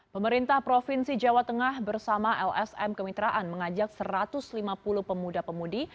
pemerintah provinsi jawa tengah bersama lsm kemitraan mengajak satu ratus lima puluh pemuda pemudi